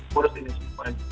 kurus ini semua